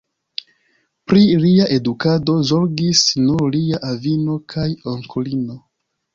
Pri lia edukado zorgis nur lia avino kaj onklino.